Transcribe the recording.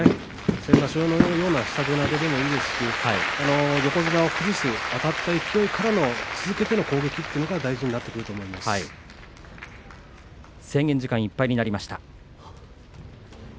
先場所のように下手投げでもいいですし横綱を崩す、あたった勢いからの続けての攻撃が制限時間がいっぱいになりました。